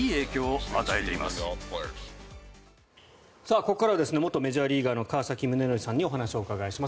ここからは元メジャーリーガーの川崎宗則さんにお話をお伺いします。